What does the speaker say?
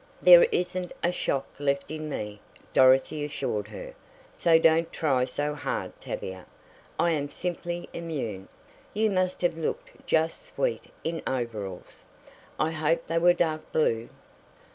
"There isn't a shock left in me," Dorothy assured her, "so don't try so hard Tavia. I am simply immune. You must have looked just sweet in overalls. I hope they were dark blue."